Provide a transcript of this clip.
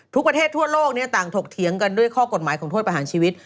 ประเทศทั่วโลกต่างถกเถียงกันด้วยข้อกฎหมายของโทษประหารชีวิต